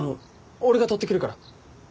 俺が取ってくるから。